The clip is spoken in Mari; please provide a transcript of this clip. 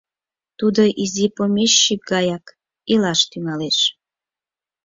Тудо изи помещик гаяк илаш тӱҥалеш.